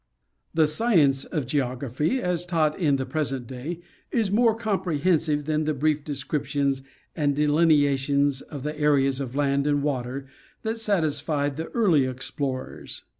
The science of geography, as taught in the present day, is more comprehensive than the brief descriptions and delineations of the areas of land and water that satisfied the early explorers.